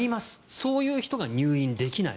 そういう人が入院できない。